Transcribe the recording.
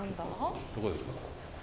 どこですか？